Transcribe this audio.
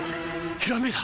ひらめいた！